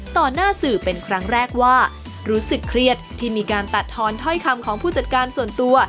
หน้าสื่อเป็นครั้งแรกว่ารู้สึกเครียดที่มีการตัดทอนถ้อยคำของผู้จัดการส่วนตัว